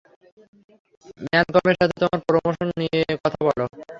ম্যালকমের সাথে তোমার প্রমোশন নিয়ে কথা বলো।